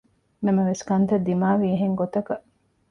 ނަމަވެސް ކަންތައް ދިމާވީ އެހެންގޮތަކަށް